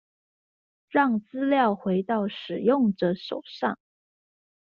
讓資料回到使用者手上